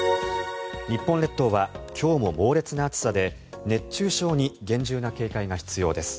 日本列島は今日も猛烈な暑さで熱中症に厳重な警戒が必要です。